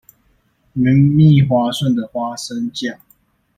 綿密滑順的花生醬